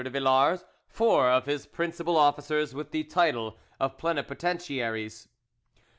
de Villars four of his principal officers with the title of plenipotentiaries.